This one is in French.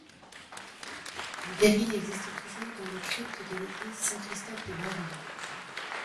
Une veyrine existe toujours dans le crypte de l'église Saint-Christophe de Baron.